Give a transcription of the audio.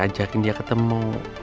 ajakin dia ketemu